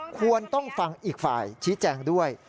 ควรต้องฟังอีกฝ่ายชี้แจงด้วย